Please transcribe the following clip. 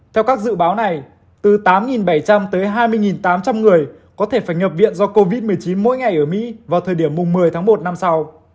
theo các dự báo này từ tám bảy trăm linh tới hai mươi tám trăm linh người có thể phải nhập viện do covid một mươi chín mỗi ngày ở mỹ vào thời điểm một mươi tháng một năm sau